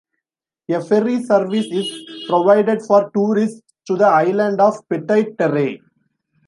A ferry service is provided for tourists to the island of Petite Terre.